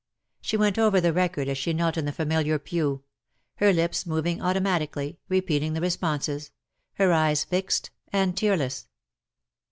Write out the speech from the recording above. She went over the record as she knelt in the familiar pew — her lips moving automatically, repeating the responses — her eyes fixed and tearless.